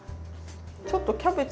ちょっとキャベツ